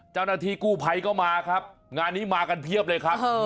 เจ้าหน้าที่กู้ภัยก็มาครับงานนี้มากันเพียบเลยครับ